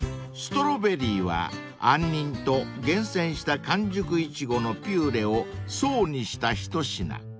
［ストロベリーは杏仁と厳選した完熟イチゴのピューレを層にした一品］